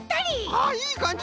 あいいかんじ！